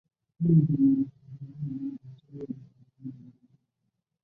吉姆霍格县是位于美国德克萨斯州南部的一个县。